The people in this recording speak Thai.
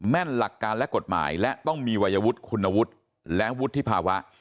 นหลักการและกฎหมายและต้องมีวัยวุฒิคุณวุฒิและวุฒิภาวะ